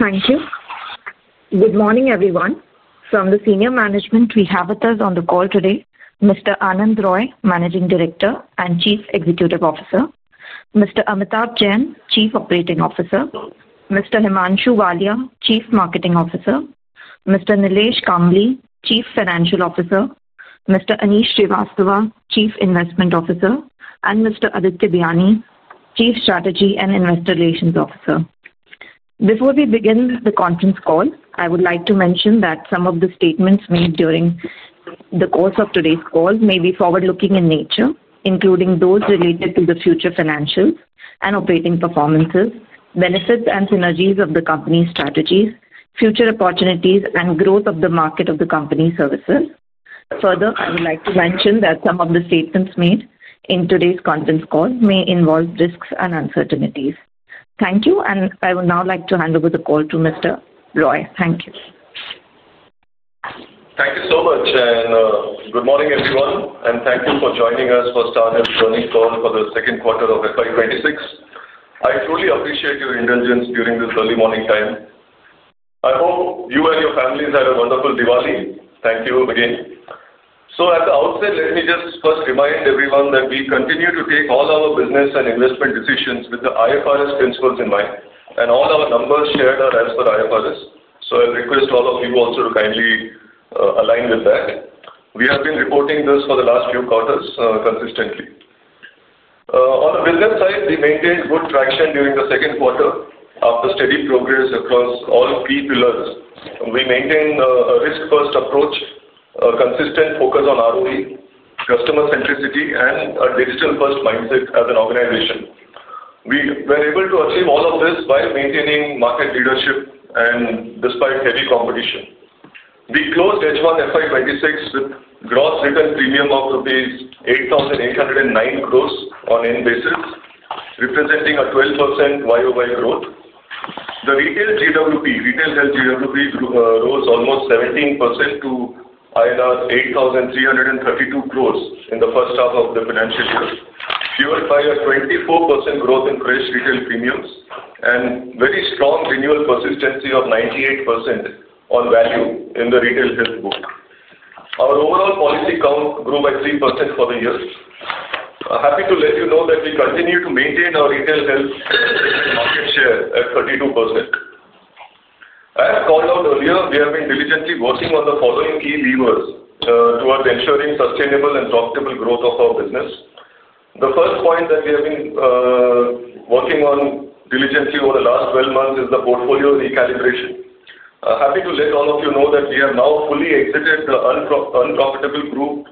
Thank you. Good morning, everyone, from the Senior Management we have with us on the call today: Mr. Anand Roy, Managing Director and Chief Executive Officer, Mr. Amitabh Jain, Chief Operating Officer, Mr. Himanshu Walia, Chief Marketing Officer, Mr. Nilesh Kambli, Chief Financial Officer, Mr. Aneesh Srivastava, Chief Investment Officer, and Mr. Aditya Biyani, Chief Strategy and Investor Relations Officer. Before we begin the conference call, I would like to mention that some of the statements made during the course of today's call may be forward-looking in nature, including those related to the future financials and operating performances, benefits and synergies of the company's strategies, future opportunities, and growth of the market of the company's services. Further, I would like to mention that some of the statements made in today's conference call may involve risks and uncertainties. Thank you, and I would now like to hand over the call to Mr. Roy. Thank you. Thank you so much, and good morning, everyone, and thank you for joining us for Star Health's earnings call for the second quarter of FY2026. I truly appreciate your indulgence during this early morning time. I hope you and your families had a wonderful Diwali. Thank you again. As I said, let me just first remind everyone that we continue to take all our business and investment decisions with the IFRS principles in mind, and all our numbers shared are as per IFRS. I request all of you also to kindly align with that. We have been reporting this for the last few quarters consistently. On the business side, we maintained good traction during the second quarter after steady progress across all key pillars. We maintained a risk-first approach, a consistent focus on ROI, customer centricity, and a digital-first mindset as an organization. We were able to achieve all of this while maintaining market leadership and despite heavy competition. We closed H1 FY2026 with gross written premium of rupees 8,809 crore on a net basis, representing a 12% YOY growth. The retail GWP, retail health GWP, rose almost 17% to 8,332 crore in the first half of the financial year, fueled by a 24% growth in fresh retail premiums and very strong renewal persistency of 98% on value in the retail health book. Our overall policy count grew by 3% for the year. Happy to let you know that we continue to maintain our retail health market share at 32%. As called out earlier, we have been diligently working on the following key levers towards ensuring sustainable and profitable growth of our business. The first point that we have been working on diligently over the last 12 months is the portfolio recalibration. Happy to let all of you know that we have now fully exited the unprofitable group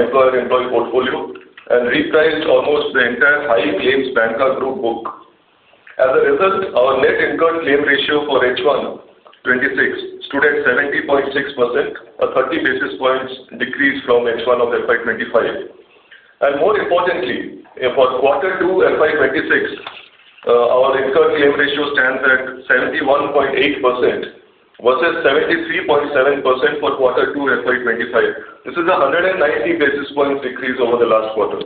employer-employee portfolio and repriced almost the entire highly claimed bancar group book. As a result, our net incurred Claim Ratio for H1 2026 stood at 70.6%, a 30 basis points decrease from H1 of FY2025. More importantly, for quarter two FY2026, our incurred Claim Ratio stands at 71.8% versus 73.7% for quarter two FY2025. This is a 190 basis points decrease over the last quarter.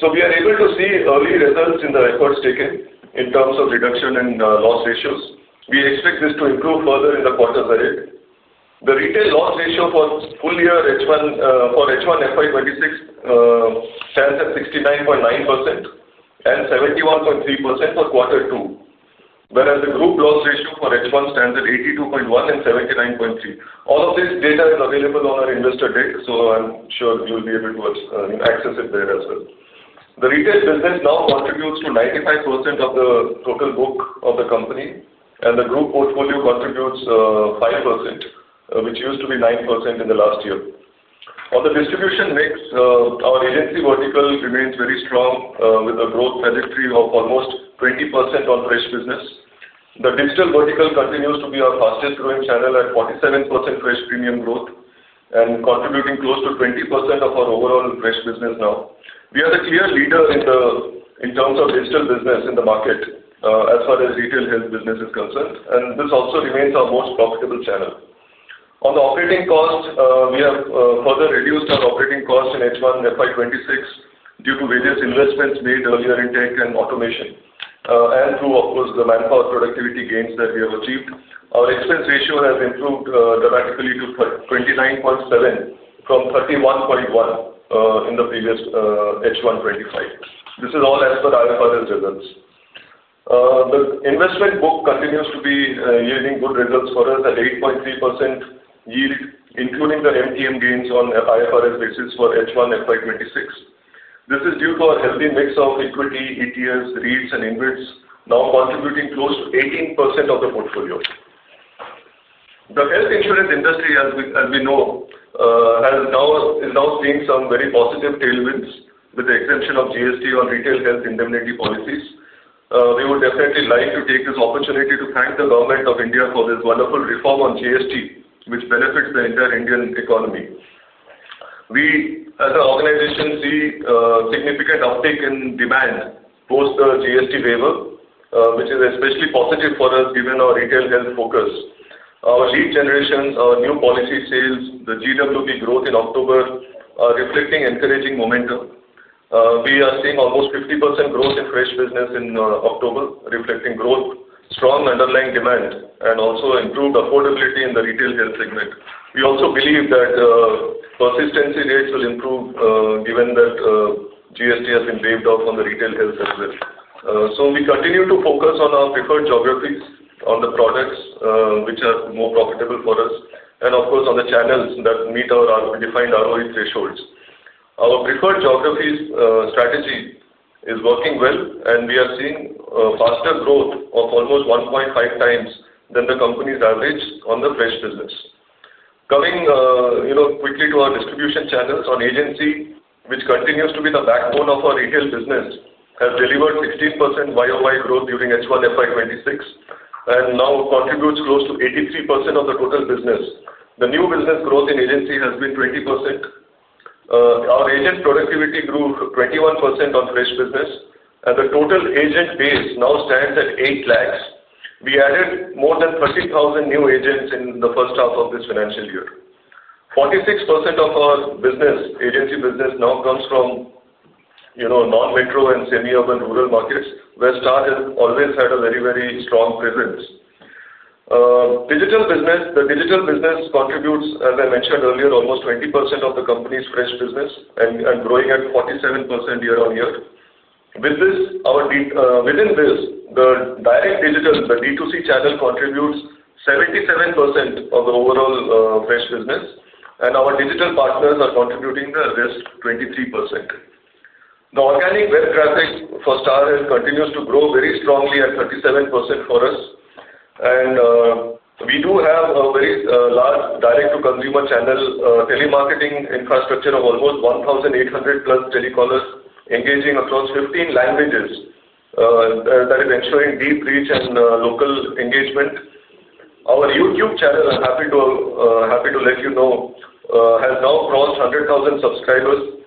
We are able to see early results in the records taken in terms of reduction in loss ratios. We expect this to improve further in the quarters ahead. The Retail Loss Ratio for full year H1 for H1 FY2026 stands at 69.9% and 71.3% for quarter two, whereas the Group Loss Ratio for H1 stands at 82.1% and 79.3%. All of this data is available on our investor data, so I'm sure you'll be able to access it there as well. The retail business now contributes to 95% of the total book of the company, and the group portfolio contributes 5%, which used to be 9% in the last year. On the distribution mix, our agency vertical remains very strong with a growth trajectory of almost 20% on fresh business. The digital vertical continues to be our fastest growing channel at 47% fresh premium growth and contributing close to 20% of our overall fresh business now. We are the clear leader in terms of digital business in the market as far as retail health business is concerned, and this also remains our most profitable channel. On the operating cost, we have further reduced our operating cost in H1 FY2026 due to various investments made earlier in tech and automation, and through, of course, the manpower productivity gains that we have achieved. Our Expense Ratio has improved dramatically to 29.7% from 31.1% in the previous H1 FY2025. This is all as per IFRS results. The investment book continues to be yielding good results for us at 8.3% yield, including the MTM gains on IFRS basis for H1 FY2026. This is due to our healthy mix of equity, ETFs, REITs, and InvITs now contributing close to 18% of the portfolio. The health insurance industry, as we know, is now seeing some very positive tailwinds with the exemption of GST on retail health indemnity policies. We would definitely like to take this opportunity to thank the government of India for this wonderful reform on GST, which benefits the entire Indian economy. We, as an organization, see a significant uptick in demand post the GST waiver, which is especially positive for us given our retail health focus. Our lead generations, our new policy sales, the GWP growth in October are reflecting encouraging momentum. We are seeing almost 50% growth in fresh business in October, reflecting growth, strong underlying demand, and also improved affordability in the retail health segment. We also believe that the persistency rates will improve given that GST has been waived off on the retail health as well. We continue to focus on our preferred geographies, on the products which are more profitable for us, and of course, on the channels that meet our defined ROE thresholds. Our preferred geographies strategy is working well, and we are seeing faster growth of almost 1.5x than the company's average on the fresh business. Coming quickly to our distribution channels on agency, which continues to be the backbone of our retail business, has delivered 16% YOY growth during H1 FY2026 and now contributes close to 83% of the total business. The new business growth in agency has been 20%. Our agent productivity grew 21% on fresh business, and the total agent base now stands at 8 lakh. We added more than 30,000 new agents in the first half of this financial year. 46% of our business, agency business, now comes from non-metro and semi-urban rural markets where Star Health always had a very, very strong presence. The digital business contributes, as I mentioned earlier, almost 20% of the company's fresh business and is growing at 47% year-on-year. Within this, the direct digital, the D2C channel, contributes 77% of the overall fresh business, and our digital partners are contributing the rest 23%. The organic web traffic for Star Health continues to grow very strongly at 37% for us, and we do have a very large direct-to-consumer channel telemarketing infrastructure of almost 1,800+ telecallers engaging across 15 languages that is ensuring deep reach and local engagement. Our YouTube channel, I'm happy to let you know, has now crossed 100,000 subscribers,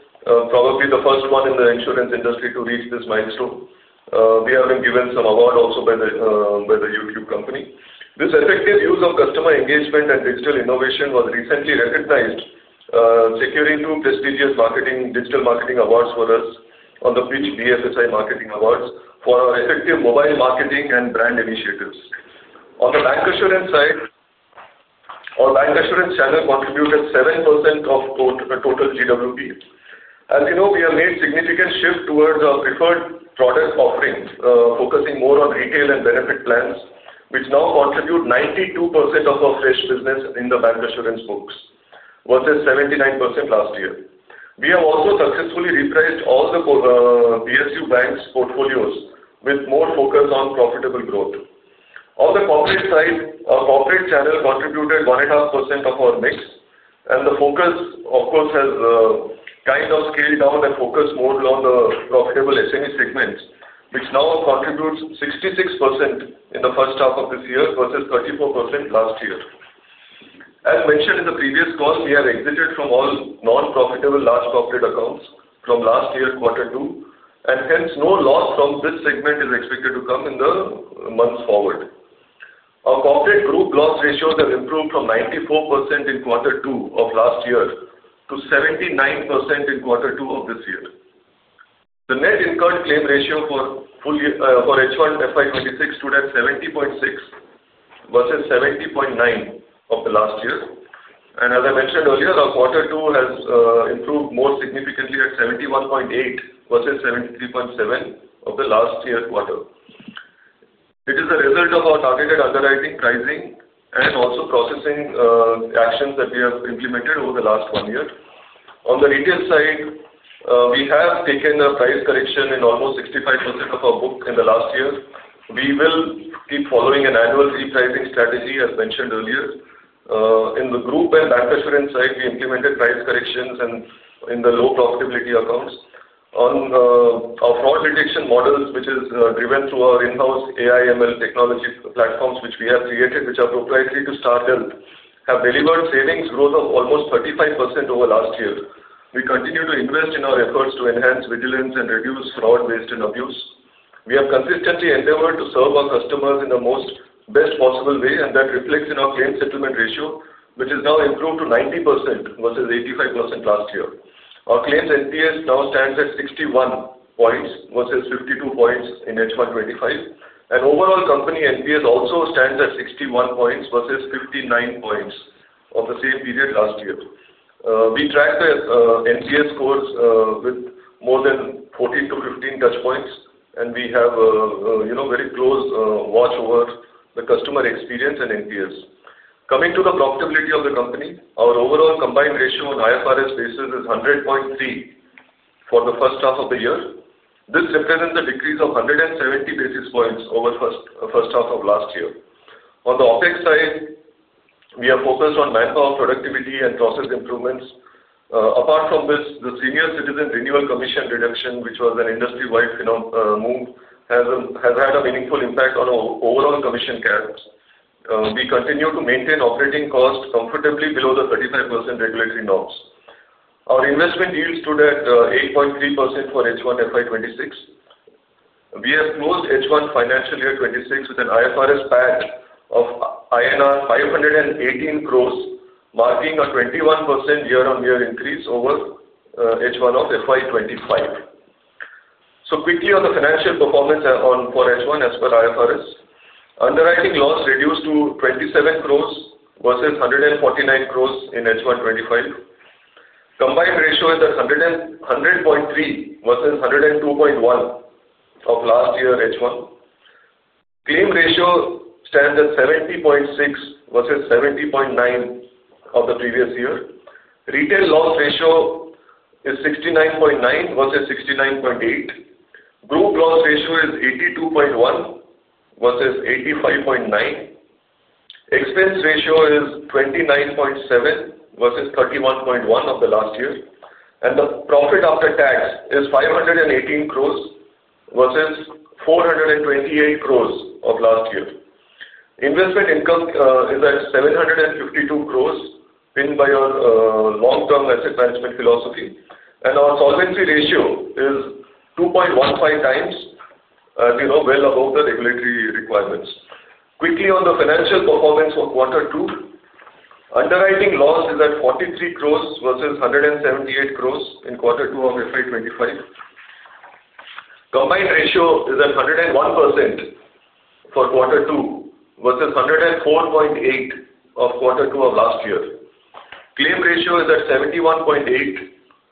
probably the first one in the insurance industry to reach this milestone. We have been given some awards also by the YouTube company. This effective use of customer engagement and digital innovation was recently recognized, securing two prestigious digital marketing awards for us on the BFSI Marketing Awards for our effective mobile marketing and brand initiatives. On the bancassurance side, our bancassurance channel contributed 7% of total GWP. As you know, we have made a significant shift towards our preferred product offering, focusing more on retail and benefit plans, which now contribute 92% of our fresh business in the bancassurance books versus 79% last year. We have also successfully repriced all the PSU banks' portfolios with more focus on profitable growth. On the corporate side, our corporate channel contributed 1.5% of our mix, and the focus, of course, has kind of scaled down and focused more on the profitable SME segments, which now contributes 66% in the first half of this year versus 34% last year. As mentioned in the previous calls, we have exited from all non-profitable large corporate accounts from last year quarter two, and hence no loss from this segment is expected to come in the months forward. Our corporate Group Loss Ratios have improved from 94% in quarter two of last year to 79% in quarter two of this year. The net incurred Claim Ratio for H1 FY2026 stood at 70.6% versus 70.9% of the last year. As I mentioned earlier, our quarter two has improved more significantly at 71.8% versus 73.7% of the last year quarter. It is a result of our targeted underwriting, pricing, and also processing actions that we have implemented over the last one year. On the retail side, we have taken a price correction in almost 65% of our book in the last year. We will keep following an annual repricing strategy, as mentioned earlier. In the group and bancassurance side, we implemented price corrections in the low profitability accounts. On our fraud detection models, which are driven through our in-house AI/ML technology platforms which we have created, which are proprietary to Star Health have delivered savings growth of almost 35% over last year. We continue to invest in our efforts to enhance vigilance and reduce fraud-based abuse. We have consistently endeavored to serve our customers in the most best possible way, and that reflects in our claims settlement ratio, which has now improved to 90% versus 85% last year. Our claims NPS now stands at 61 points versus 52 points in H1 FY2025. Overall company NPS also stands at 61 points versus 59 points of the same period last year. We track the NPS scores with more than 14-15 touch points, and we have a very close watch over the customer experience and NPS. Coming to the profitability of the company, our overall Combined Ratio on IFRS basis is 100.3% for the first half of the year. This represents a decrease of 170 basis points over the first half of last year. On the OpEx side, we are focused on manpower productivity and process improvements. Apart from this, the senior citizen renewal commission reduction, which was an industry-wide move, has had a meaningful impact on our overall commission caps. We continue to maintain operating costs comfortably below the 35% regulatory norms. Our investment yield stood at 8.3% for H1 FY2026. We have closed H1 financial year 2026 with an IFRS profit after tax of INR 518 crore, marking a 21% year-on-year increase over H1 of FY2025. Quickly on the financial performance for H1 as per IFRS, underwriting loss reduced to 27 crore versus 149 crore in H1 2025. Combined Ratio is at 100.3% versus 102.1% of last year H1. Claim Ratio stands at 70.6% versus 70.9% of the previous year. Retail Loss Ratio is 69.9% versus 69.8%. Group Loss Ratio is 82.1% versus 85.9%. Expense Ratio is 29.7% versus 31.1% of last year. The profit after tax is 518 crore versus 428 crore of last year. Investment income is at 752 crore, pinned by our long-term asset management philosophy. Our Solvency Ratio is 2.15x, as you know, well above the regulatory requirements. Quickly on the financial performance for quarter two, underwriting loss is at 43 crore versus 178 crore in quarter two of FY2025. Combined Ratio is at 101% for quarter two versus 104.8% of quarter two of last year. Claim Ratio is at 71.8%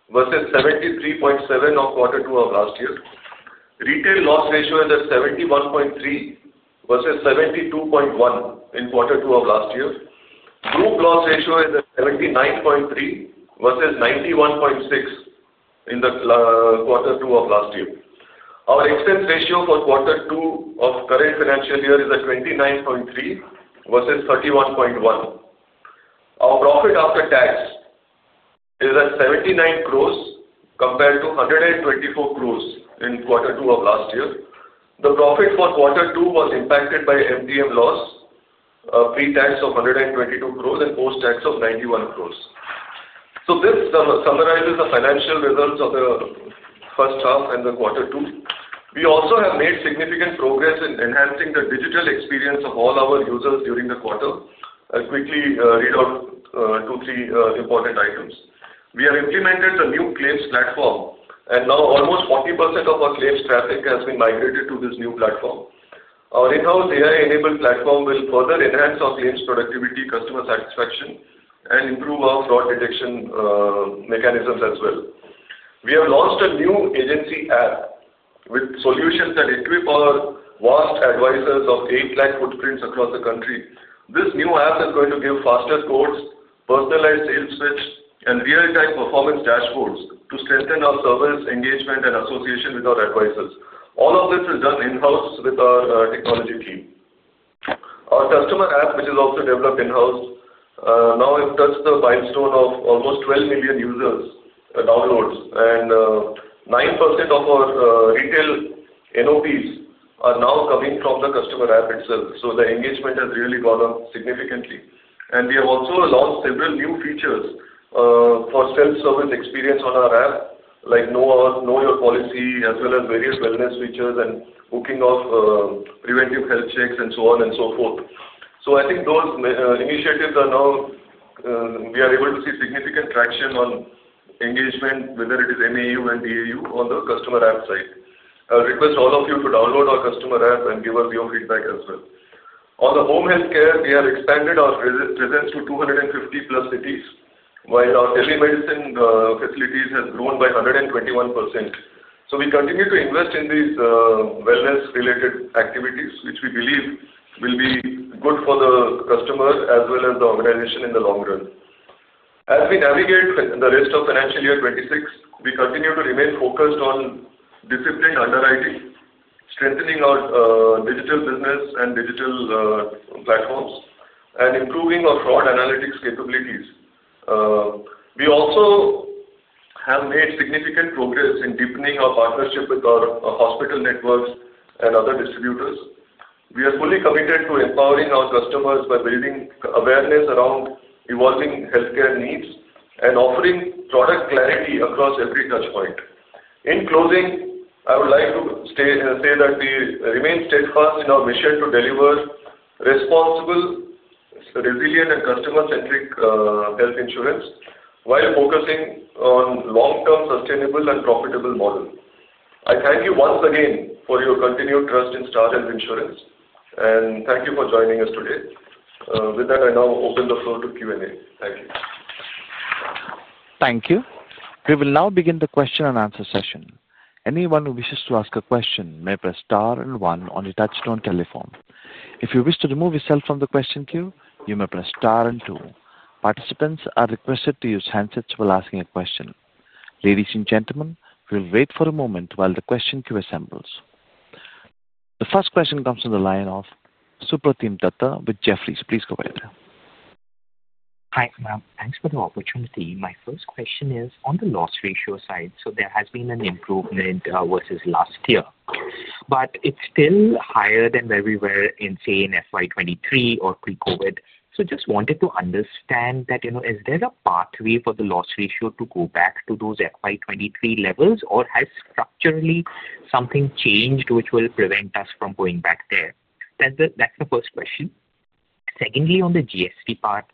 versus 73.7% of quarter two of last year. Retail Loss Ratio is at 71.3% versus 72.1% in quarter two of last year. Group Loss Ratio is at 79.3% versus 91.6% in quarter two of last year. Our Expense Ratio for quarter two of current financial year is at 29.3% versus 31.1%. Our profit after tax is at 79 crore compared to 124 crore in quarter two of last year. The profit for quarter two was impacted by MTM loss, pre-tax of 122 crore and post-tax of 91 crore. This summarizes the financial results of the first half and quarter two. We also have made significant progress in enhancing the digital experience of all our users during the quarter. I'll quickly read out two or three important items. We have implemented the new claims platform, and now almost 40% of our claims traffic has been migrated to this new platform. Our in-house AI-enabled platform will further enhance our claims productivity, customer satisfaction, and improve our fraud detection mechanisms as well. We have launched a new agency app with solutions that equip our vast advisors of 8 lakh footprints across the country. This new app is going to give faster quotes, personalized sales pitch, and real-time performance dashboards to strengthen our service engagement and association with our advisors. All of this is done in-house with our technology team. Our customer app, which is also developed in-house, now touches the milestone of almost 12 million user downloads, and 9% of our retail NOPs are now coming from the customer app itself. The engagement has really gone up significantly. We have also launched several new features for self-service experience on our app, like Know Your Policy, as well as various wellness features and booking of preventive health checks and so on and so forth. I think those initiatives are now, we are able to see significant traction on engagement, whether it is MAU and DAU on the customer app side. I request all of you to download our customer app and give us your feedback as well. On the home health care, we have expanded our presence to 250+ cities, while our telemedicine facilities have grown by 121%. We continue to invest in these wellness-related activities, which we believe will be good for the customer as well as the organization in the long run. As we navigate the rest of financial year 2026, we continue to remain focused on disciplined underwriting, strengthening our digital business and digital platforms, and improving our fraud analytics capabilities. We also have made significant progress in deepening our partnership with our hospital networks and other distributors. We are fully committed to empowering our customers by building awareness around evolving healthcare needs and offering product clarity across every touchpoint. In closing, I would like to say that we remain steadfast in our mission to deliver responsible, resilient, and customer-centric health insurance while focusing on long-term sustainable and profitable models. I thank you once again for your continued trust in Star Health Insurance, and thank you for joining us today. With that, I now open the floor to Q&A. Thank you. Thank you. We will now begin the question and answer session. Anyone who wishes to ask a question may press star and one on the touchstone telephone. If you wish to remove yourself from the question queue, you may press star and two. Participants are requested to use handsets while asking a question. Ladies and gentlemen, we'll wait for a moment while the question queue assembles. The first question comes from the line of Supratim Datta with Jefferies. Please go ahead. Thanks, ma'am. Thanks for the opportunity. My first question is on the loss ratio side. There has been an improvement versus last year, but it's still higher than where we were in, say, in FY 2023 or pre-COVID. I just wanted to understand that, you know, is there a pathway for the loss ratio to go back to those FY 2023 levels, or has structurally something changed which will prevent us from going back there? That's the first question. Secondly, on the GST part,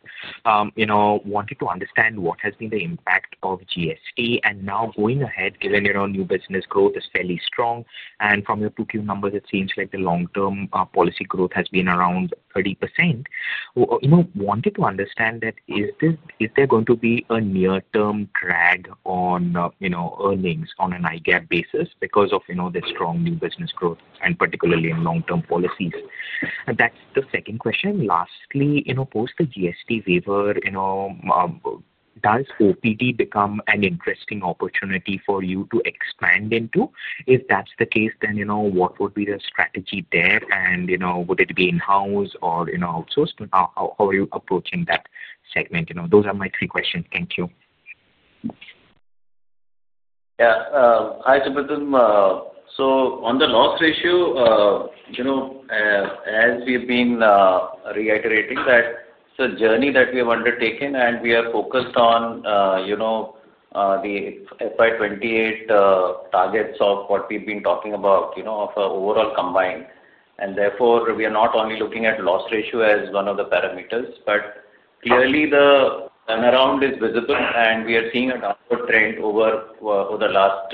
I wanted to understand what has been the impact of GST, and now going ahead, given your own new business growth is fairly strong, and from your Q2 numbers, it seems like the long-term policy growth has been around 30%. I wanted to understand, is there going to be a near-term drag on earnings on an IFRS basis because of the strong new business growth and particularly in long-term policies? That's the second question. Lastly, post the GST waiver, does OPD become an interesting opportunity for you to expand into? If that's the case, then what would be the strategy there, and would it be in-house or outsourced? How are you approaching that segment? Those are my three questions. Thank you. Yeah. Hi, Supratim. On the loss ratio, as we have been reiterating, it's a journey that we have undertaken, and we are focused on the FY2028 targets of what we've been talking about, of overall combined. Therefore, we are not only looking at loss ratio as one of the parameters, but the turnaround is visible, and we are seeing a downward trend over the last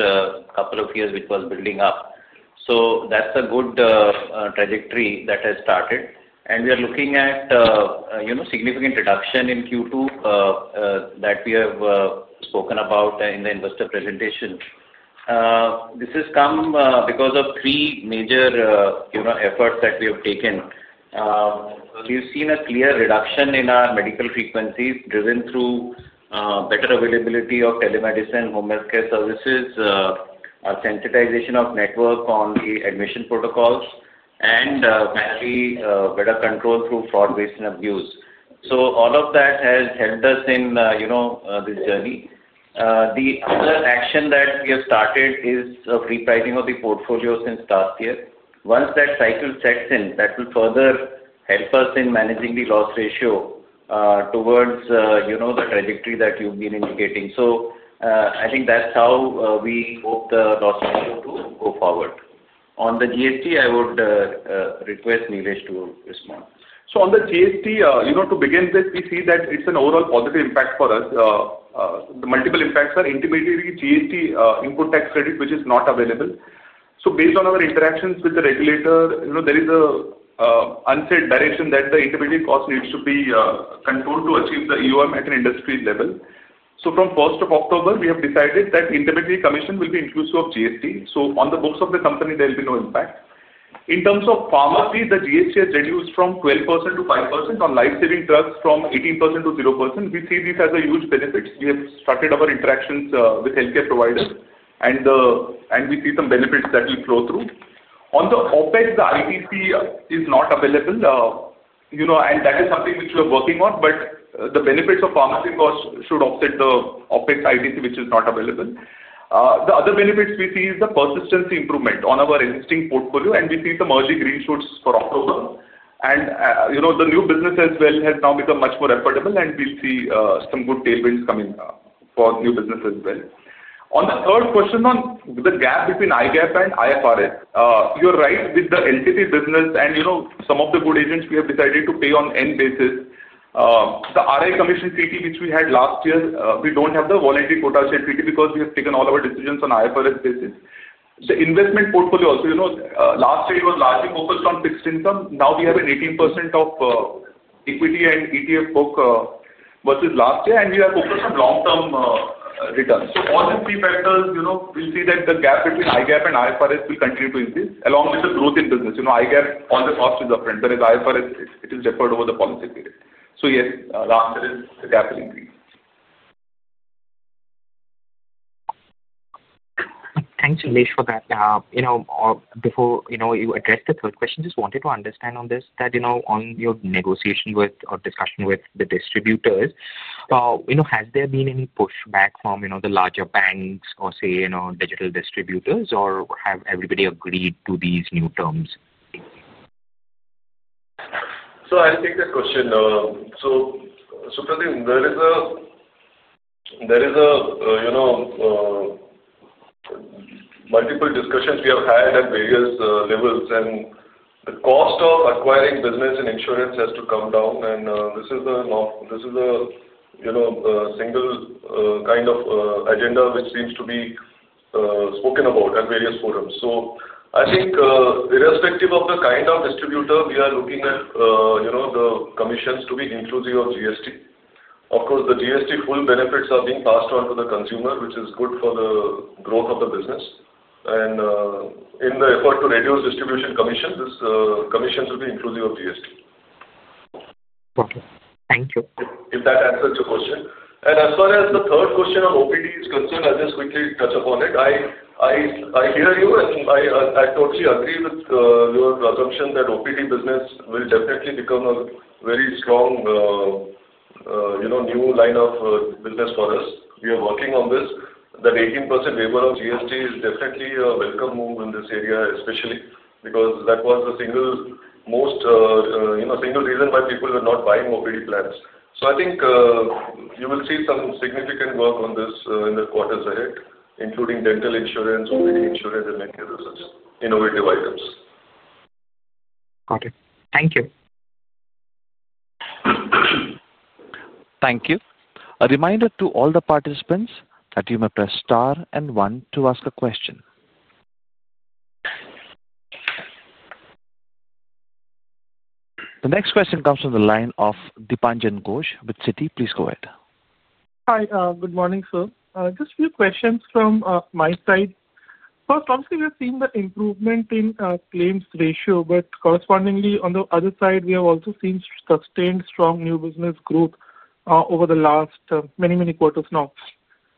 couple of years, which was building up. That's a good trajectory that has started. We are looking at significant reduction in Q2 that we have spoken about in the investor presentation. This has come because of three major efforts that we have taken. We've seen a clear reduction in our medical frequencies driven through better availability of telemedicine, home health care services, our sanitization of network on the admission protocols, and finally, better control through fraud waste and abuse. All of that has helped us in this journey. The other action that we have started is repricing of the portfolio since last year. Once that cycle sets in, that will further help us in managing the loss ratio towards the trajectory that you've been indicating. I think that's how we hope the loss ratio to go forward. On the GST, I would request Nilesh to respond. On the GST, to begin with, we see that it's an overall positive impact for us. The multiple impacts are intimidating GST input tax credit, which is not available. Based on our interactions with the regulator, there is an unsaid direction that the intermediate cost needs to be controlled to achieve the EOM at an industry level. From 1st of October, we have decided that the intermediate commission will be inclusive of GST. On the books of the company, there will be no impact. In terms of pharmacy, the GST has reduced from 12% to 5% on lifesaving drugs, from 18% to 0%. We see this as a huge benefit. We have started our interactions with healthcare providers, and we see some benefits that will flow through. On the OpEx, the input tax credit is not available, and that is something which we are working on, but the benefits of pharmacy costs should offset the OpEx input tax credit, which is not available. The other benefits we see are the persistency improvement on our existing portfolio, and we see the merger green shoots for October. The new business as well has now become much more affordable, and we'll see some good tailwinds coming for the new business as well. On the third question, on the gap between I-GAAP and IFRS, you're right with the entity business, and some of the good agents we have decided to pay on N basis. The RA commission CT, which we had last year, we don't have the voluntary quota share CT because we have taken all of our decisions on IFRS basis. The investment portfolio also, last year it was largely focused on fixed income. Now we have an 18% of equity and ETF book versus last year, and we are focused on long-term returns. All these three factors, we'll see that the gap between I-GAAP and IFRS will continue to increase along with the growth in business. I-GAAP, all the cost is upfront, whereas IFRS, it is deferred over the policy period. Yes, the answer is the gap will increase. Thanks, Nilesh, for that. Before you addressed the third question, just wanted to understand on this that on your negotiation with or discussion with the distributors, has there been any pushback from the larger banks or, say, digital distributors, or has everybody agreed to these new terms? I'll take this question. Supratim, there is, you know, multiple discussions we have had at various levels, and the cost of acquiring business and insurance has to come down. This is a, you know, single kind of agenda which seems to be spoken about at various forums. I think irrespective of the kind of distributor, we are looking at, you know, the commissions to be inclusive of GST. Of course, the GST full benefits are being passed on to the consumer, which is good for the growth of the business. In the effort to reduce distribution commission, these commissions will be inclusive of GST. Okay. Thank you. If that answers your question. As far as the third question on OPD is concerned, I'll just quickly touch upon it. I hear you, and I totally agree with your assumption that OPD business will definitely become a very strong, you know, new line of business for us. We are working on this. That 18% waiver of GST is definitely a welcome move in this area, especially because that was the single most, you know, single reason why people were not buying OPD plans. I think you will see some significant work on this in the quarters ahead, including dental insurance, OPD insurance, and many other such innovative items. Got it. Thank you. Thank you. A reminder to all the participants that you may press star and one to ask a question. The next question comes from the line of Dipanjan Ghosh with Citi. Please go ahead. Hi. Good morning, sir. Just a few questions from my side. Obviously, we have seen the improvement in claims ratio, but correspondingly, on the other side, we have also seen sustained strong new business growth over the last many, many quarters now.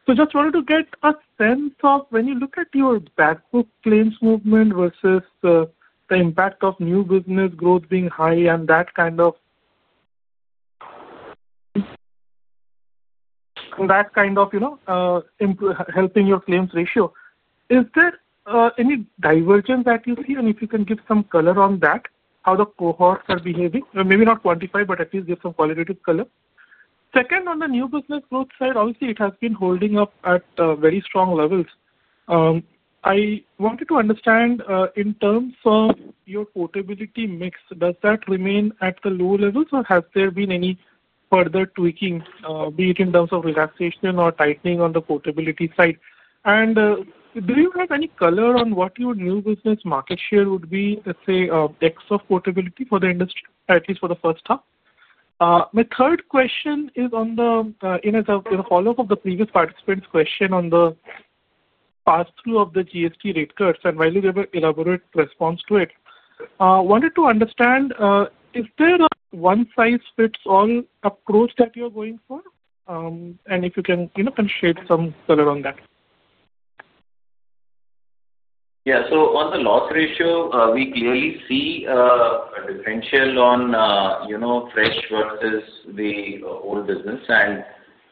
I just wanted to get a sense of when you look at your backhoe claims movement versus the impact of new business growth being high and that kind of, you know, helping your claims ratio. Is there any divergence that you see? If you can give some color on that, how the cohorts are behaving, maybe not quantify, but at least give some qualitative color. Second, on the new business growth side, obviously, it has been holding up at very strong levels. I wanted to understand in terms of your portability mix, does that remain at the low levels, or has there been any further tweaking, be it in terms of relaxation or tightening on the portability side? Do you have any color on what your new business market share would be, let's say, X of portability for the industry, at least for the first half? My third question is in a follow-up of the previous participant's question on the pass-through of the GST rate cuts, and while you have an elaborate response to it, I wanted to understand if there is a one-size-fits-all approach that you're going for, and if you can, you know, kind of shed some color on that. Yeah. On the loss ratio, we clearly see a differential on, you know, fresh versus the old business, and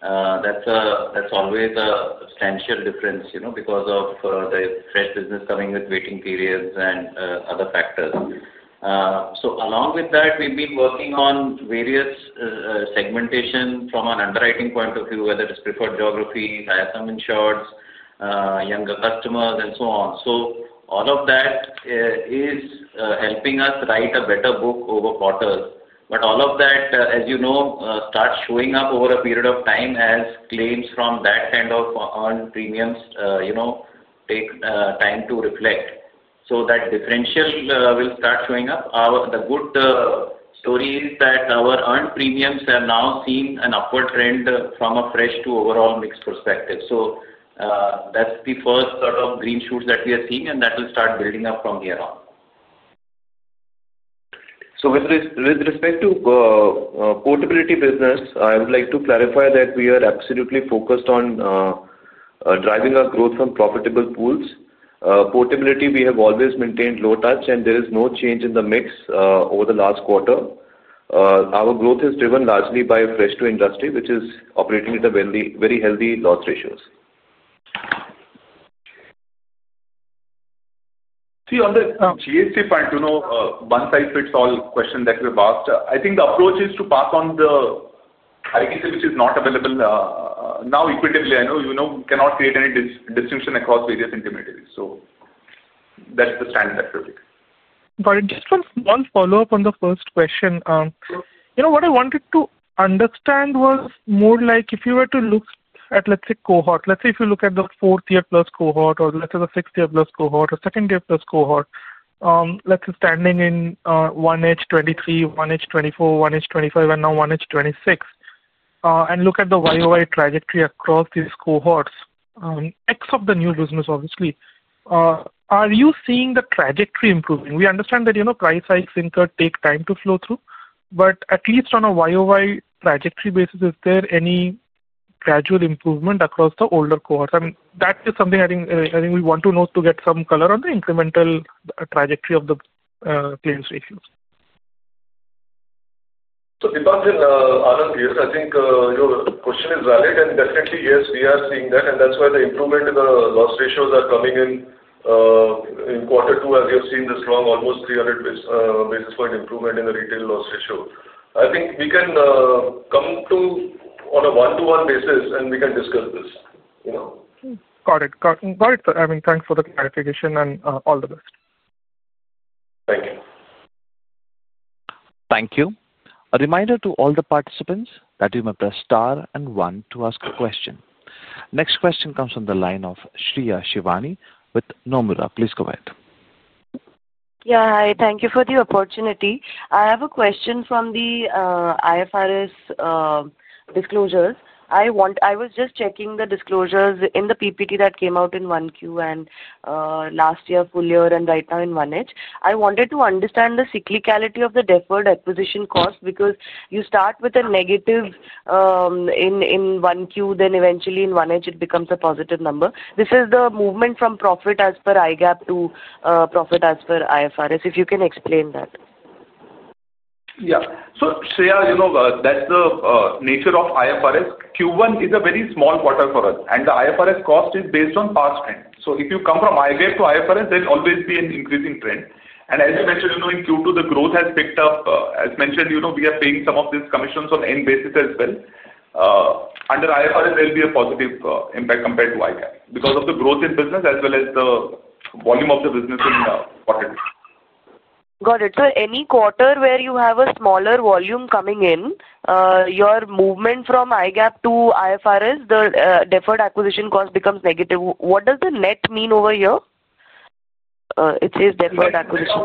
that's always a substantial difference because of the fresh business coming with waiting periods and other factors. Along with that, we've been working on various segmentation from an underwriting point of view, whether it's preferred geography, higher-coming shards, younger customers, and so on. All of that is helping us write a better book over quarters. All of that, as you know, starts showing up over a period of time as claims from that kind of earned premiums take time to reflect. That differential will start showing up. The good story is that our earned premiums have now seen an upward trend from a fresh to overall mix perspective. That's the first sort of green shoots that we are seeing, and that will start building up from here on. With respect to portability business, I would like to clarify that we are absolutely focused on driving our growth from profitable pools. Portability, we have always maintained low touch, and there is no change in the mix over the last quarter. Our growth is driven largely by fresh-to-industry, which is operating at very healthy loss ratios. On the GST part, you know, one-size-fits-all question that we have asked, I think the approach is to pass on the input tax credit, which is not available now, equitably. I know you cannot create any distinction across various intermediaries. That's the standard approach. Got it. Just one follow-up on the first question. What I wanted to understand was more like if you were to look at, let's say, cohort, let's say if you look at the fourth-year plus cohort or let's say the sixth-year plus cohort or second-year plus cohort, let's say standing in 1H 2023, 1H 2024, 1H 2025, and now 1H 2026, and look at the YOY trajectory across these cohorts, X of the new business, obviously, are you seeing the trajectory improving? We understand that price hikes in income take time to flow through, but at least on a YOY trajectory basis, is there any gradual improvement across the older cohorts? I mean, that is something I think we want to know to get some color on the incremental trajectory of the claims ratios. Dipanjan, Anand, I think your question is valid, and definitely, yes, we are seeing that, and that's why the improvement in the loss ratios are coming in in quarter two, as you have seen this long, almost 300 basis point improvement in the Retail Loss Ratio. I think we can come to on a one-to-one basis, and we can discuss this. Got it. Thanks for the clarification and all the best. Thank you. Thank you. A reminder to all the participants that you may press star and one to ask a question. Next question comes from the line of Shreya Shivani with Nomura. Please go ahead. Hi. Thank you for the opportunity. I have a question from the IFRS disclosures. I was just checking the disclosures in the PPT that came out in 1Q and last year, full year, and right now in 1H. I wanted to understand the cyclicality of the deferred acquisition cost because you start with a negative in 1Q, then eventually in 1H it becomes a positive number. This is the movement from profit as per IGAAP to profit as per IFRS, if you can explain that. Yeah. Shreya, you know, that's the nature of IFRS. Q1 is a very small quarter for us, and the IFRS cost is based on past trends. If you come from IGAAP to IFRS, there will always be an increasing trend. As you mentioned, in Q2, the growth has picked up. As mentioned, we are paying some of these commissions on an N basis as well. Under IFRS, there will be a positive impact compared to IGAAP because of the growth in business as well as the volume of the business in quarter two. Got it. Any quarter where you have a smaller volume coming in, your movement from IGAAP to IFRS, the deferred acquisition cost becomes negative. What does the net mean over here? It says deferred acquisition.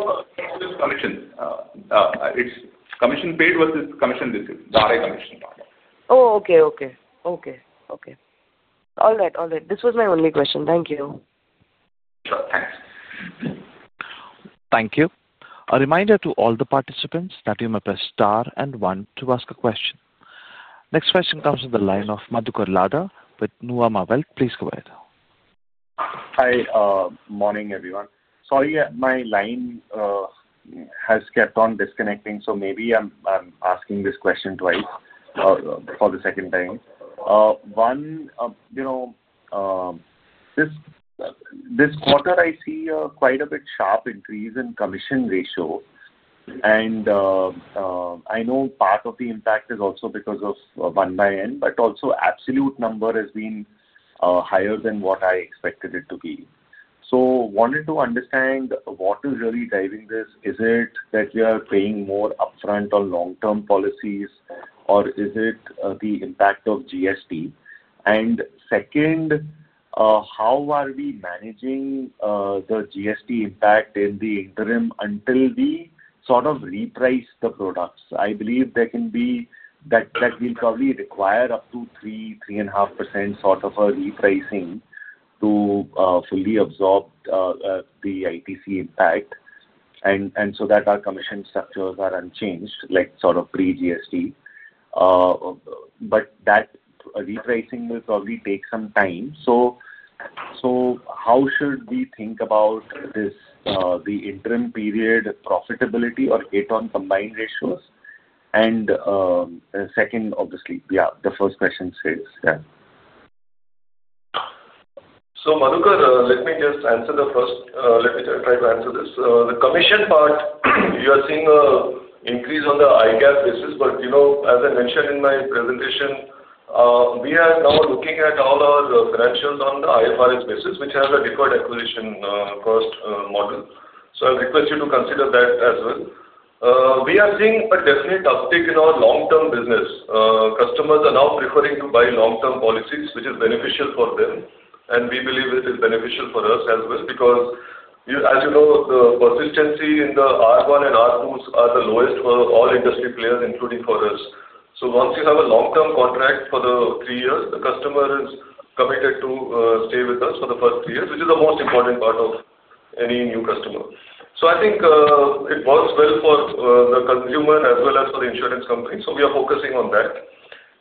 It's commission paid versus commission received, the RA commission part. Okay. Okay. All right. This was my only question. Thank you. Sure. Thanks. Thank you. A reminder to all the participants that you may press star and one to ask a question. Next question comes from the line of Madhukar Ladha with Nuvama Wealth. Please go ahead. Hi. Morning, everyone. Sorry, my line has kept on disconnecting, so maybe I'm asking this question twice for the second time. One, you know, this quarter I see quite a bit sharp increase in commission ratio, and I know part of the impact is also because of 1/N, but also absolute number has been higher than what I expected it to be. I wanted to understand what is really driving this. Is it that we are paying more upfront on long-term policies, or is it the impact of GST? Second, how are we managing the GST impact in the interim until we sort of reprice the products? I believe there can be that we'll probably require up to 3%, 3.5% sort of a repricing to fully absorb the input tax credit impact, and so that our commission structures are unchanged, like sort of pre-GST. That repricing will probably take some time. How should we think about this, the interim period profitability or get on Combined Ratios? Second, obviously, yeah, the first question says that. Madhukar, let me just answer the first. Let me try to answer this. The commission part, you are seeing an increase on the IGAAP basis, but you know, as I mentioned in my presentation, we are now looking at all our financials on the IFRS basis, which has a deferred acquisition cost model. I'll request you to consider that as well. We are seeing a definite uptake in our long-term business. Customers are now preferring to buy long-term policies, which is beneficial for them, and we believe it is beneficial for us as well because, as you know, the persistency in the R1 and R2s are the lowest for all industry players, including for us. Once you have a long-term contract for the three years, the customer is committed to stay with us for the first three years, which is the most important part of any new customer. I think it works well for the consumer as well as for the insurance companies. We are focusing on that.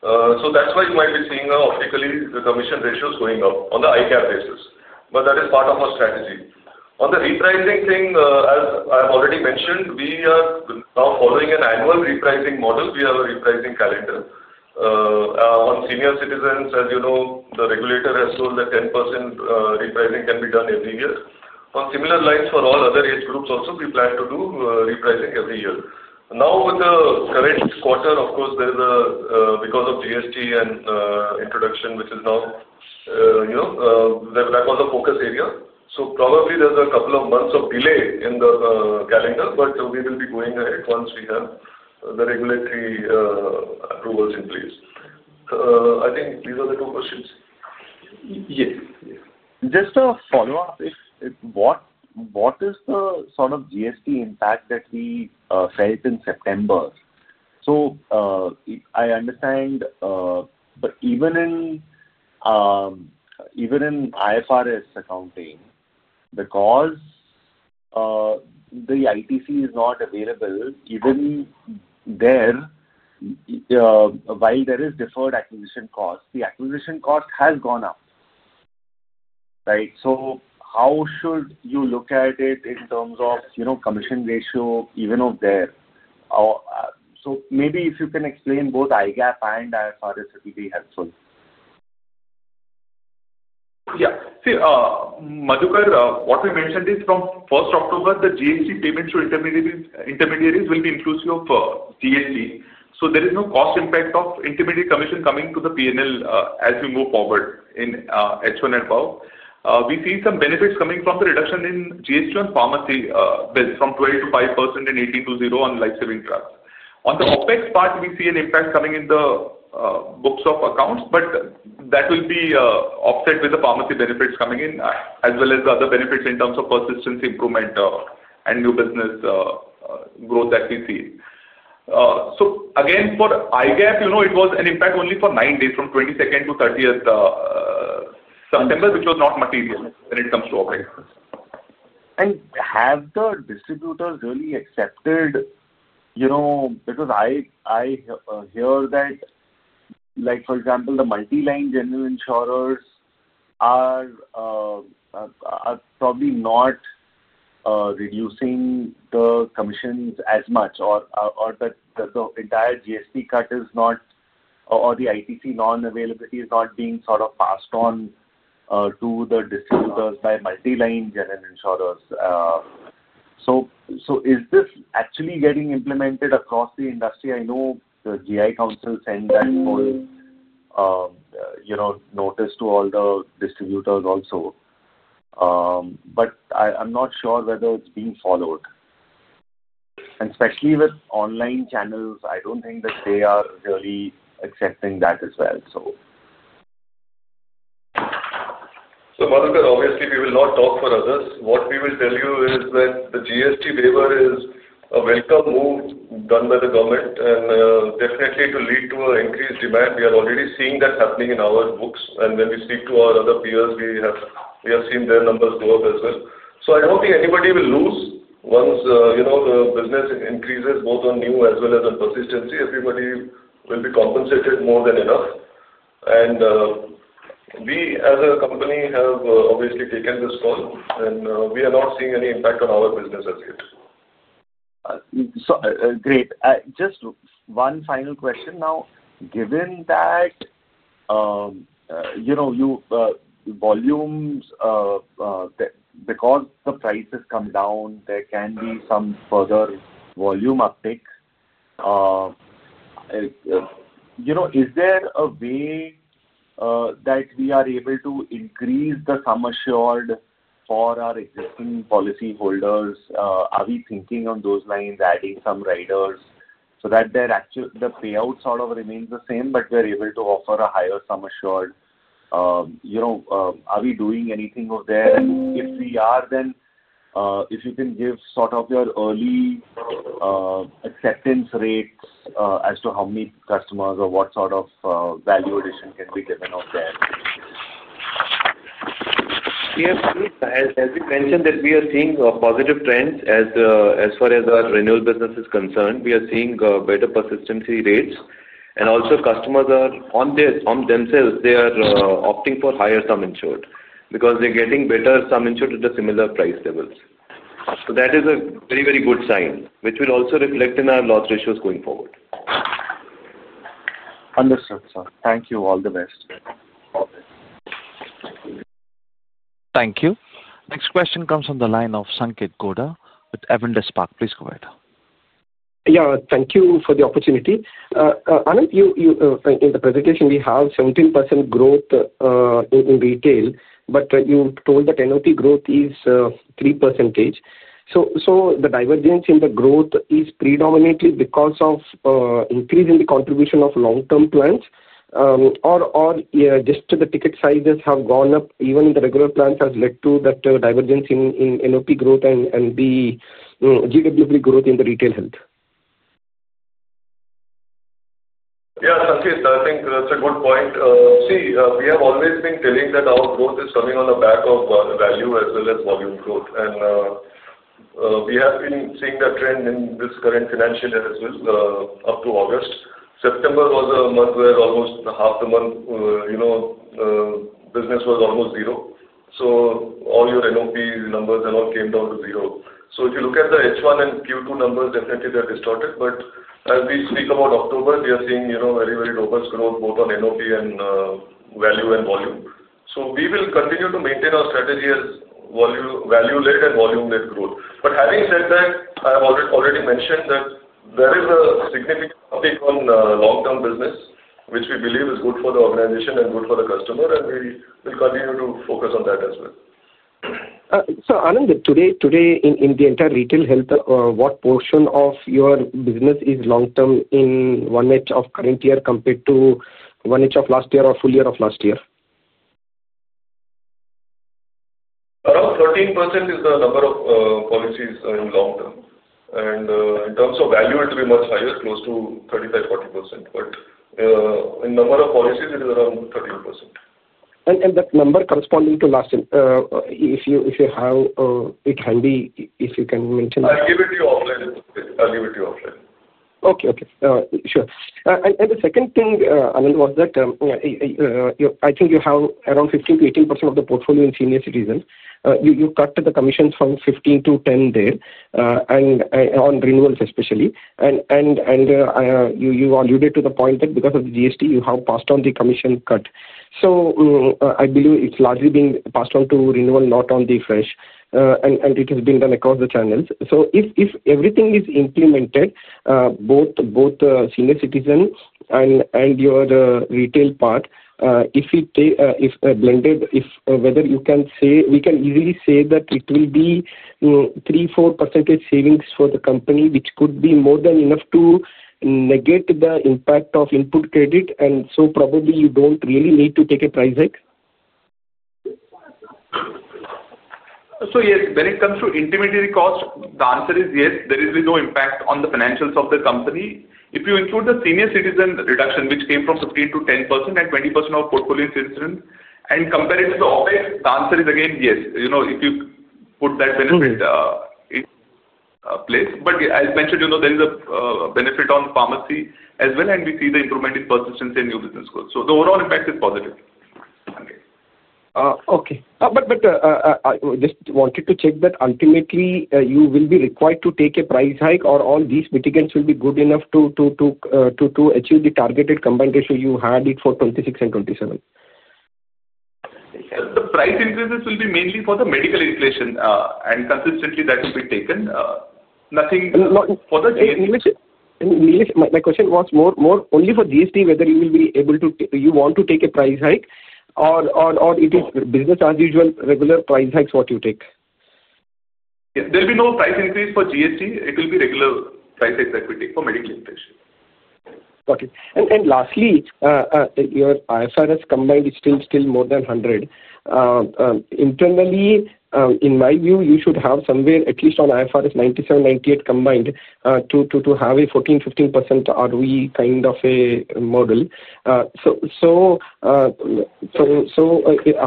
That's why you might be seeing optically the commission ratios going up on the IGAAP basis, but that is part of our strategy. On the repricing thing, as I have already mentioned, we are now following an annual repricing model. We have a repricing calendar. On senior citizens, as you know, the regulator has told that 10% repricing can be done every year. On similar lines for all other age groups also, we plan to do repricing every year. Now, with the current quarter, of course, there's a because of GST and introduction, which is now, you know, that was a focus area. Probably there's a couple of months of delay in the calendar, but we will be going ahead once we have the regulatory approvals in place. I think these are the two questions. Yes. Just a follow-up. What is the sort of GST impact that we felt in September? I understand, but even in IFRS accounting, because the input tax credit is not available, even there, while there is deferred acquisition cost, the acquisition cost has gone up, right? How should you look at it in terms of commission ratio even over there? Maybe if you can explain both IGAAP and IFRS, it would be helpful. Yeah. Madhukar, what we mentioned is from 1st October, the GST payments to intermediaries will be inclusive of GST. There is no cost impact of intermediary commission coming to the P&L as we move forward in H1 and above. We see some benefits coming from the reduction in GST on pharmacy bills from 12% to 5% and 18% to 0% on lifesaving drugs. On the OpEx part, we see an impact coming in the books of accounts, but that will be offset with the pharmacy benefits coming in as well as the other benefits in terms of persistency improvement and new business growth that we see. For IFRS, it was an impact only for nine days from 22nd to 30th September, which was not material when it comes to OpEx. Have the distributors really accepted, you know, because I hear that, for example, the multiline general insurers are probably not reducing the commissions as much, or that the entire GST cut is not, or the input tax credit non-availability is not being sort of passed on to the distributors by multiline general insurers. Is this actually getting implemented across the industry? I know the GI Council sent that whole notice to all the distributors also, but I'm not sure whether it's being followed. Especially with online channels, I don't think that they are really accepting that as well. Madhukar, obviously, we will not talk for others. What we will tell you is that the GST waiver is a welcome move done by the government and definitely will lead to increased demand. We are already seeing that happening in our books, and when we speak to our other peers, we have seen their numbers go up as well. I don't think anybody will lose once the business increases both on new as well as on persistency. Everybody will be compensated more than enough. We, as a company, have obviously taken this call, and we are not seeing any impact on our business as yet. Great. Just one final question now. Given that, you know, volumes, because the prices come down, there can be some further volume uptake. Is there a way that we are able to increase the sum assured for our existing policyholders? Are we thinking on those lines, adding some riders so that the payout sort of remains the same, but we're able to offer a higher sum assured? Are we doing anything over there? If we are, then if you can give sort of your early acceptance rates as to how many customers or what sort of value addition can be given over there. Yes, as we mentioned, we are seeing positive trends as far as our renewal business is concerned. We are seeing better persistency rates, and also customers are on themselves. They are opting for higher sum insured because they're getting better sum insured at a similar price level. That is a very, very good sign, which will also reflect in our loss ratios going forward. Understood, sir. Thank you. All the best. Thank you. Next question comes from the line of Sanketh Godha with Avendus Spark. Please go ahead. Thank you for the opportunity. Anand, in the presentation, we have 17% growth in retail, but you told that NOP growth is 3%. The divergence in the growth is predominantly because of increase in the contribution of long-term plans or just the ticket sizes have gone up even in the regular plans has led to that divergence in NOP growth and the GWP growth in the retail health. Yeah, Sanketh, I think that's a good point. See, we have always been telling that our growth is coming on the back of value as well as volume growth. We have been seeing that trend in this current financial year as well up to August. September was a month where almost half the month, you know, business was almost zero. All your NOP numbers and all came down to zero. If you look at the H1 and Q2 numbers, definitely they're distorted. As we speak about October, we are seeing, you know, very, very robust growth both on NOP and value and volume. We will continue to maintain our strategy as value-led and volume-led growth. Having said that, I have already mentioned that there is a significant uptake on long-term business, which we believe is good for the organization and good for the customer, and we will continue to focus on that as well. Anand, today in the entire retail health, what portion of your business is long-term in 1H of current year compared to 1H of last year or full year of last year? Around 13% is the number of policies in long term. In terms of value, it will be much higher, close to 35%, 40%. In the number of policies, it is around 13%. If you have that number corresponding to last year handy, if you can mention that. I'll give it to you offline. I'll give it to you offline. Okay. Okay. Sure. The second thing, Anand, was that I think you have around 15%-18% of the portfolio in senior citizens. You cut the commissions from 15% to 10% there, and on renewals especially. You alluded to the point that because of the GST, you have passed on the commission cut. I believe it's largely being passed on to renewal, not on the fresh, and it has been done across the channels. If everything is implemented, both senior citizens and your retail part, if it blended, whether you can say, we can easily say that it will be 3%, 4% savings for the company, which could be more than enough to negate the impact of input tax credit. Probably you don't really need to take a price hike? Yes, when it comes to intermediary costs, the answer is yes. There will be no impact on the financials of the company. If you include the senior citizen reduction, which came from 15% to 10% and 20% of portfolio citizens, and compare it to the OpEx, the answer is again yes. If you put that benefit in place. As mentioned, there is a benefit on pharmacy as well, and we see the improvement in persistency and new business growth. The overall impact is positive. Okay, I just wanted to check that ultimately you will be required to take a price hike, or all these mitigants will be good enough to achieve the targeted Combined Ratio you had for 2026 and 2027? The price increases will be mainly for the medical inflation, and consistently that will be taken. Nothing. In English, my question was more only for GST, whether you will be able to, you want to take a price hike, or it is business as usual, regular price hikes you take? Yeah. There will be no price increase for GST. It will be regular price hikes that we take for medical inflation. Got it. Lastly, your IFRS combined is still more than 100. Internally, in my view, you should have somewhere at least on IFRS 97, 98 combined to have a 14%, 15% ROE kind of a model.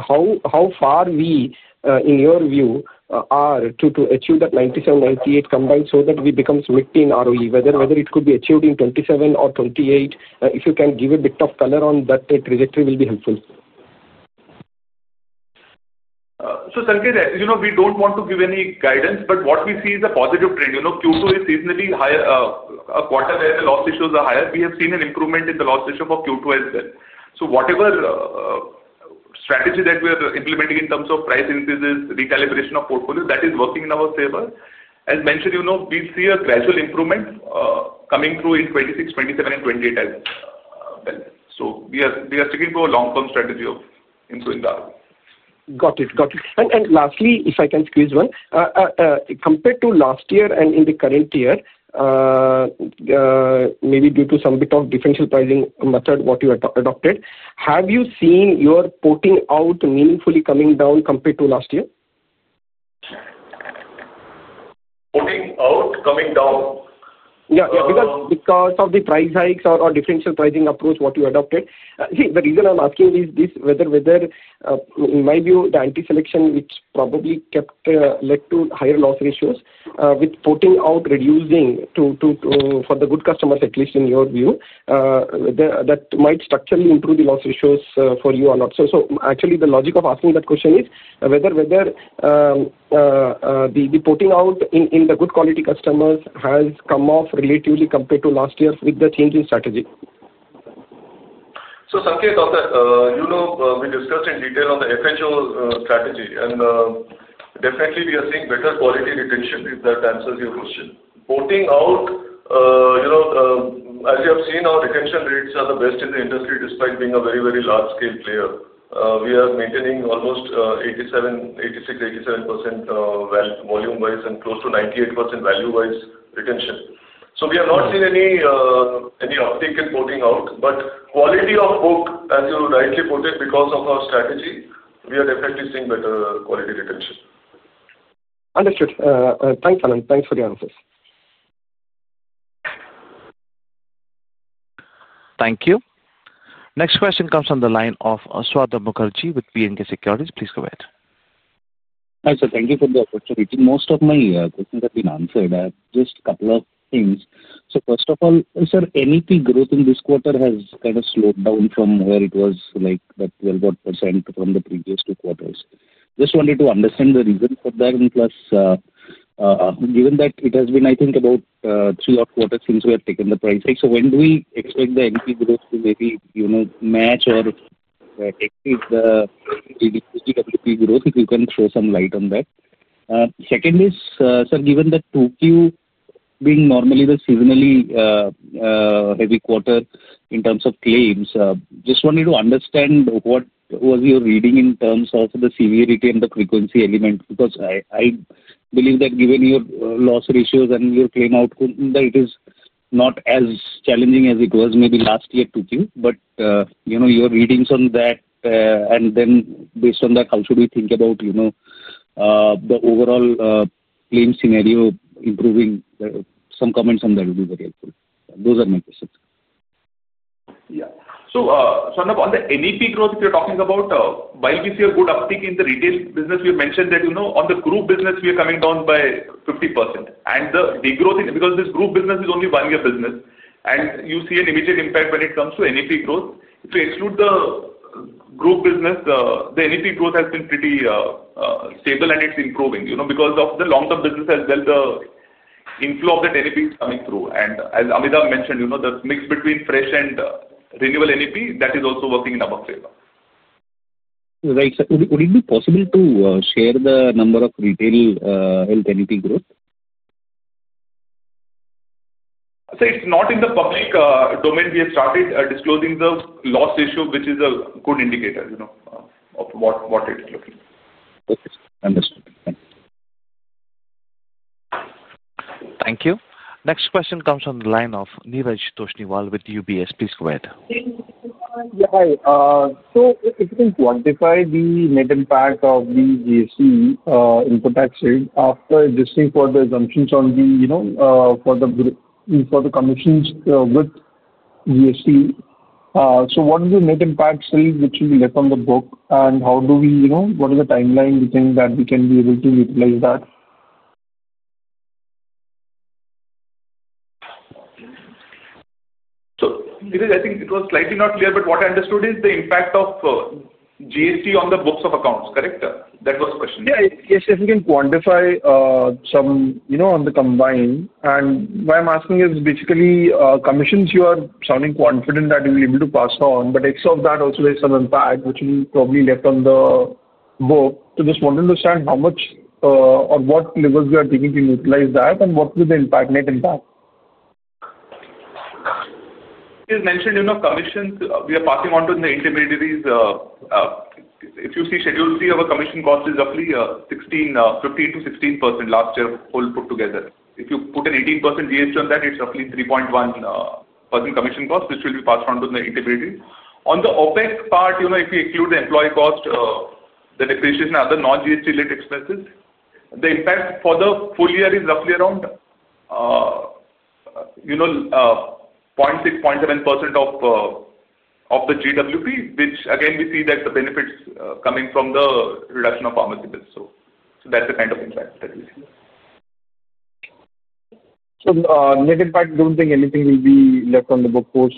How far, in your view, are we to achieve that 97%, 98% combined so that we become smidth in ROE, whether it could be achieved in 2027 or 2028? If you can give a bit of color on that trajectory, it will be helpful. Sanketh, we don't want to give any guidance, but what we see is a positive trend. Q2 is seasonally higher, a quarter where the loss ratios are higher. We have seen an improvement in the loss ratio for Q2 as well. Whatever strategy that we are implementing in terms of price increases, recalibration of portfolio, that is working in our favor. As mentioned, we see a gradual improvement coming through in 2026, 2027, and 2028 as well. We are sticking to a long-term strategy of improving the ROE. Got it. Lastly, if I can squeeze one, compared to last year and in the current year, maybe due to some bit of differential pricing method, what you adopted, have you seen your porting out meaningfully coming down compared to last year? Porting out coming down? Yeah, because of the price hikes or differential pricing approach you adopted. The reason I'm asking is whether, in my view, the anti-selection, which probably led to higher loss ratios, with porting out reducing for the good customers, at least in your view, that might structurally improve the loss ratios for you or not. Actually, the logic of asking that question is whether the porting out in the good quality customers has come off relatively compared to last year with the change in strategy. Sanketh, we discussed in detail on the FHL strategy, and definitely, we are seeing better quality retention, if that answers your question. Porting out, as you have seen, our retention rates are the best in the industry despite being a very, very large-scale player. We are maintaining almost 86%, 87% volume-wise and close to 98% value-wise retention. We have not seen any uptake in porting out, but quality of book, as you rightly put it, because of our strategy, we are definitely seeing better quality retention. Understood. Thanks, Anand. Thanks for the answers. Thank you. Next question comes from the line of Swarnabh Mukherjee with B&K Securities. Please go ahead. Hi, sir. Thank you for the opportunity. Most of my questions have been answered. I have just a couple of things. First of all, sir, NOP growth in this quarter has kind of slowed down from where it was, like that 12% from the previous two quarters. I just wanted to understand the reason for that. Plus, given that it has been, I think, about three-odd quarters since we have taken the price hike, when do we expect the NOP growth to maybe, you know, match or increase the GWP growth, if you can throw some light on that? Second is, sir, given that 2Q being normally the seasonally heavy quarter in terms of claims, I just wanted to understand what was your reading in terms of the severity and the frequency element because I believe that given your loss ratios and your claim outcome, it is not as challenging as it was maybe last year 2Q. You know, your readings on that, and then based on that, how should we think about, you know, the overall claim scenario improving? Some comments on that would be very helpful. Those are my questions. Yeah. On the NOP growth, if you're talking about, while we see a good uptake in the retail business, we mentioned that, you know, on the group business, we are coming down by 50%. The growth in because this group business is only one-year business, and you see an immediate impact when it comes to NOP growth. If you exclude the group business, the NOP growth has been pretty stable, and it's improving, you know, because of the long-term business as well. The inflow of that NOP is coming through. As Amitabh mentioned, you know, the mix between fresh and renewal NOP that is also working in our favor. Right. Would it be possible to share the number of retail health NOP growth? It's not in the public domain. We have started disclosing the loss ratio, which is a good indicator of what it's looking. Okay, understood. Thanks. Thank you. Next question comes from the line of Neeraj Toshniwal with UBS. Please go ahead. Hi. If you can quantify the net impact of the GST input tax rate after adjusting for the assumptions on the commissions with GST, what is the net impact still which will be left on the book, and how do we, you know, what is the timeline you think that we can be able to utilize that? Neeraj, I think it was slightly not clear, but what I understood is the impact of GST on the books of accounts, correct? That was the question. Yes, yes, yes. If you can quantify some, you know, on the combined. What I'm asking is basically commissions you are sounding confident that you will be able to pass on, but X of that also has some impact, which will be probably left on the book. Just want to understand how much or what levers we are taking to utilize that, and what will the net impact. As mentioned, you know, commissions we are passing on to the intermediaries. If you see Schedule C of our commission cost, it is roughly 15%-16% last year whole put together. If you put an 18% GST on that, it's roughly 3.1% commission cost, which will be passed on to the intermediaries. On the OpEx part, you know, if we include the employee cost, the depreciation, and other non-GST-led expenses, the impact for the full year is roughly around, you know, 0.6%, 0.7% of the GWP, which again we see that the benefits coming from the reduction of pharmacy bills. That's the kind of impact that we see. Net impact, you don't think anything will be left on the book cost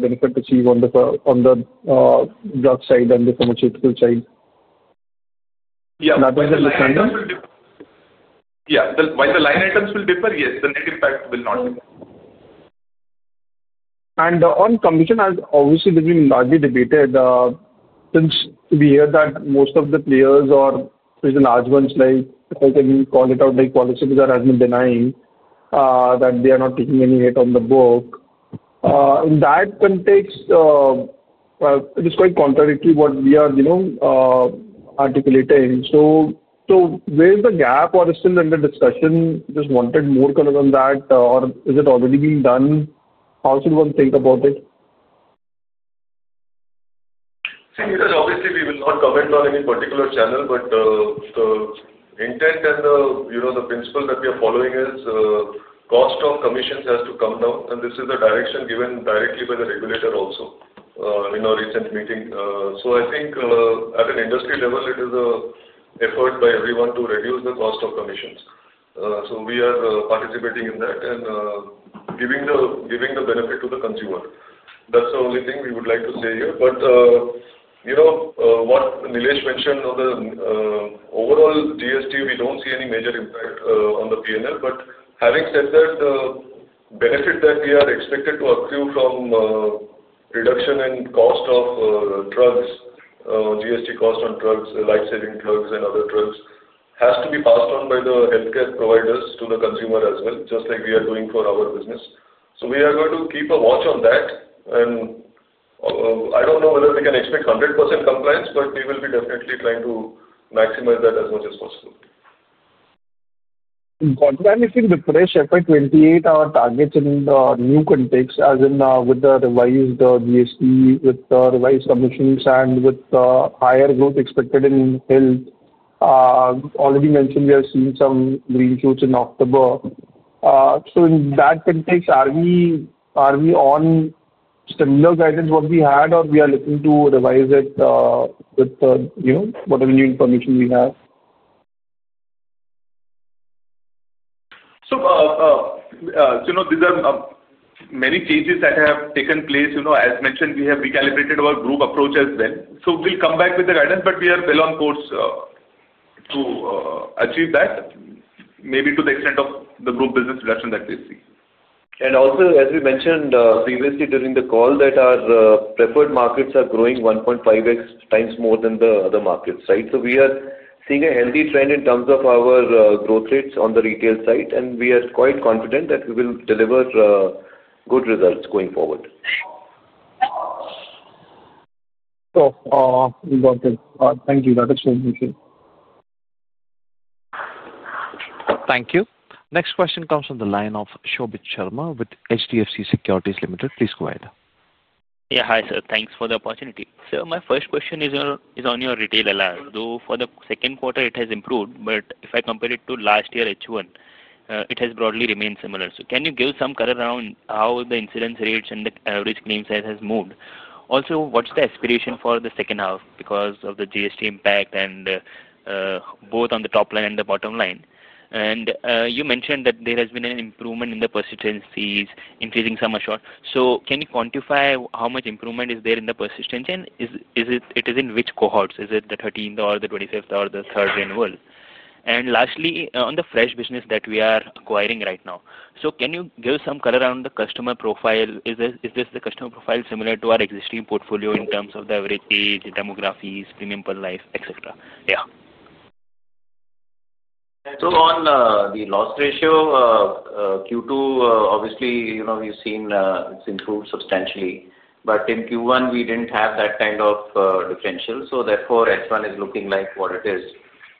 benefit to achieve on the drug side and the pharmaceutical side? Yeah. That was the understanding? Yeah, while the line items will differ, the net impact will not differ. On commission, as obviously this has been largely debated, since we hear that most of the players, or especially the large ones, like if I can call it out, like ICICI Lombard, have been denying that they are not taking any hit on the book. In that context, it is quite contradictory what we are articulating. Where is the gap? Is it still under discussion? I just wanted more color on that. Is it already being done? How should one think about it? See, Neeraj, obviously, we will not comment on any particular channel, but the intent and the principle that we are following is the cost of commissions has to come down. This is a direction given directly by the regulator also in our recent meeting. I think at an industry level, it is an effort by everyone to reduce the cost of commissions. We are participating in that and giving the benefit to the consumer. That's the only thing we would like to say here. What Nilesh mentioned on the overall GST, we don't see any major impact on the P&L. Having said that, the benefit that we are expected to accrue from reduction in cost of drugs, GST cost on drugs, lifesaving drugs, and other drugs has to be passed on by the healthcare providers to the consumer as well, just like we are doing for our business. We are going to keep a watch on that. I don't know whether we can expect 100% compliance, but we will be definitely trying to maximize that as much as possible. Got it. I'm missing the fresh FY2028 targets in the new context, as in with the revised GST, with the revised commissions, and with the higher growth expected in health. Already mentioned we are seeing some green shoots in October. In that context, are we on similar guidance what we had, or are we looking to revise it with, you know, whatever new information we have? These are many changes that have taken place. As mentioned, we have recalibrated our group approach as well. We'll come back with the guidance, but we are well on course to achieve that, maybe to the extent of the group business reduction that we see. As we mentioned previously during the call, our preferred markets are growing 1.5x more than the other markets, right? We are seeing a healthy trend in terms of our growth rates on the retail side, and we are quite confident that we will deliver good results going forward. Thank you, that explains it. Thank you. Next question comes from the line of Shobhit Sharma with HDFC Securities Limited. Please go ahead. Yeah. Hi, sir. Thanks for the opportunity. Sir, my first question is on your retail alliance. Though for the second quarter, it has improved, if I compare it to last year H1, it has broadly remained similar. Can you give some color around how the incidence rates and the average claim size has moved? What's the aspiration for the second half because of the GST impact, both on the top line and the bottom line? You mentioned that there has been an improvement in the persistencies, increasing sum assured. Can you quantify how much improvement is there in the persistence, and is it in which cohorts? Is it the 13th or the 25th or the third renewal? Lastly, on the fresh business that we are acquiring right now, can you give some color on the customer profile? Is this customer profile similar to our existing portfolio in terms of the average age, demographics, premium per life, etc.? On the loss ratio, Q2 obviously, you know, we've seen it's improved substantially. In Q1, we didn't have that kind of differential, therefore H1 is looking like what it is.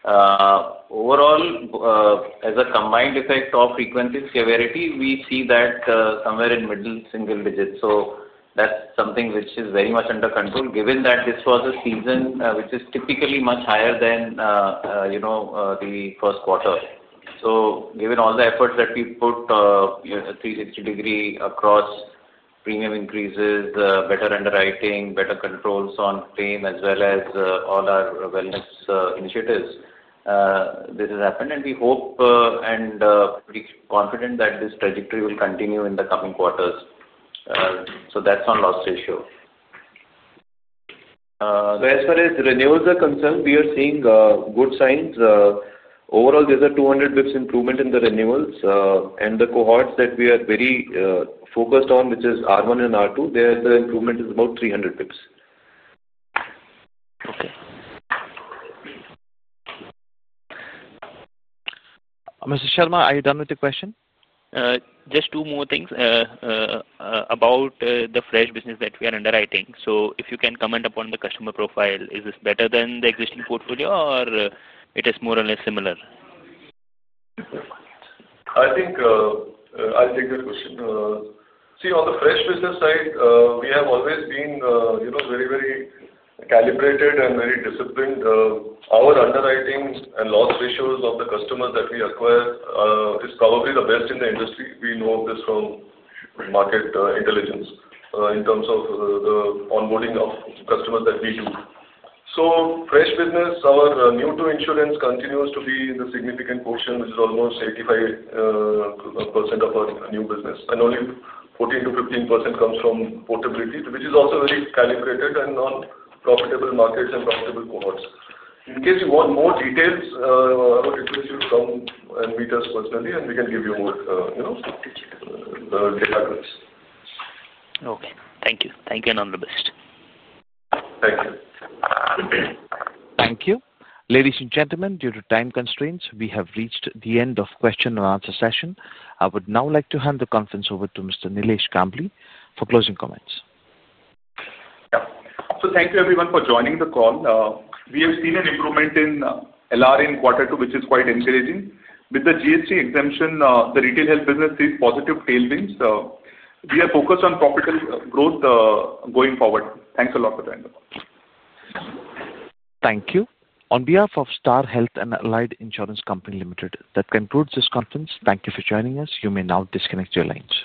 Overall, as a combined effect of frequency and severity, we see that somewhere in middle single digits. That's something which is very much under control, given that this was a season which is typically much higher than, you know, the first quarter. Given all the efforts that we put, a 360 degree across premium increases, better underwriting, better controls on claim, as well as all our wellness initiatives, this has happened. We hope and we are confident that this trajectory will continue in the coming quarters. That's on loss ratio. As far as renewals are concerned, we are seeing good signs. Overall, there's a 200 basis points improvement in the renewals, and the cohorts that we are very focused on, which is R1 and R2, their improvement is about 300 basis points. Mr. Sharma, are you done with the question? Just two more things about the fresh business that we are underwriting. If you can comment upon the customer profile, is this better than the existing portfolio, or is it more or less similar? I think I'll take that question. See, on the fresh business side, we have always been very, very calibrated and very disciplined. Our underwriting and loss ratios of the customers that we acquire are probably the best in the industry. We know this from market intelligence in terms of the onboarding of customers that we do. Fresh business, our new-to-insurance continues to be the significant portion, which is almost 85% of our new business. Only 14%-15% comes from portability, which is also very calibrated and non-profitable markets and profitable cohorts. In case you want more details, I would request you to come and meet us personally, and we can give you more data graphs. Okay. Thank you. Thank you, and all the best. Thank you. Thank you. Ladies and gentlemen, due to time constraints, we have reached the end of the question and answer session. I would now like to hand the conference over to Mr. Nilesh Kambli for closing comments. Thank you everyone for joining the call. We have seen an improvement in LR in quarter two, which is quite encouraging. With the GST exemption, the retail health business sees positive tailwinds. We are focused on profitable growth going forward. Thanks a lot for joining the call. Thank you. On behalf of Star Health and Allied Insurance Company Limited, that concludes this conference. Thank you for joining us. You may now disconnect your lines.